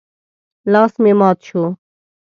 لاس مې مات شو.